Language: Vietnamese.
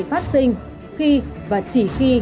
phát sinh khi và chỉ khi